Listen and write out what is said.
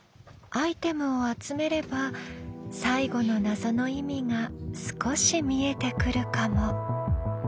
アイテムを集めれば最後の謎の意味が少し見えてくるかも。